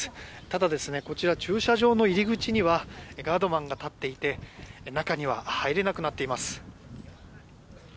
ただ、こちら駐車場の入り口にはガードマンが立っていて中には入れなくなっています。